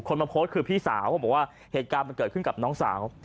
มาโพสต์คือพี่สาวเขาบอกว่าเหตุการณ์มันเกิดขึ้นกับน้องสาว